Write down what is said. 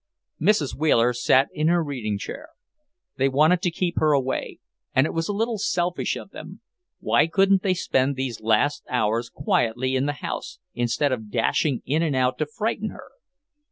Mrs. Wheeler sat down in her reading chair. They wanted to keep her away, and it was a little selfish of them. Why couldn't they spend these last hours quietly in the house, instead of dashing in and out to frighten her?